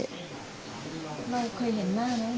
นายเคยเห็นหน้านะ